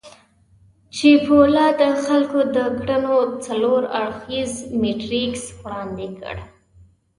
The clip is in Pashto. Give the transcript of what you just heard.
چیپولا د خلکو د کړنو څلور اړخييز میټریکس وړاندې کړ.